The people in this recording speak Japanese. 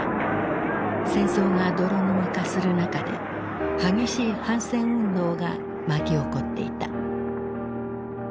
戦争が泥沼化する中で激しい反戦運動が巻き起こっていた。